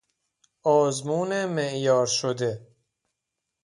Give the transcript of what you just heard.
آزمون معیارشده